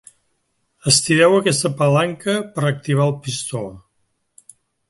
Estireu aquesta palanca per activar el pistó.